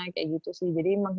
kayak gitu sih